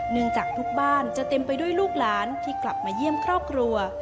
จากทุกบ้านจะเต็มไปด้วยลูกหลานที่กลับมาเยี่ยมครอบครัว